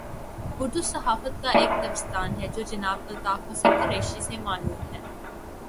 اردو صحافت کا ایک دبستان ہے جو جناب الطاف حسن قریشی سے معنون ہے۔